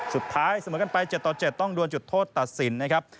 เสมอกันไป๗ต่อ๗ต้องดวนจุดโทษตัดสินนะครับ